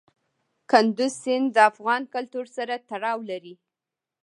کندز سیند د افغان کلتور سره تړاو لري.